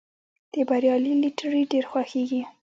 د بریالي لټیري ډېر خوښیږي.